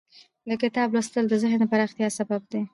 د کتاب لوستل د ذهن د پراختیا سبب دی.